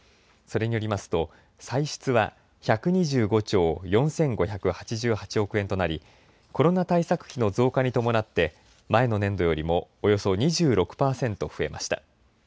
それによりますと歳出は１２５兆４５８８億円となりコロナ対策費の増加に伴って前の年度よりもおよそ２６％増えました。